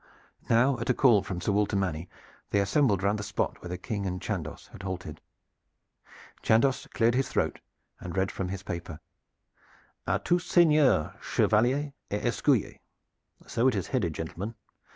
Now at a call from Sir Walter Manny they assembled round the spot where the King and Chandos had halted. Chandos cleared his throat and read from his paper "'A tous seigneurs, chevaliers et escuyers,' so it is headed, gentlemen.